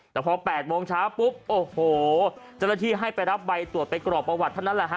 แต่พอ๘โมงเช้าปุ๊บโอ้โหเจ้าหน้าที่ให้ไปรับใบตรวจไปกรอกประวัติเท่านั้นแหละฮะ